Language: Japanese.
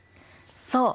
そう！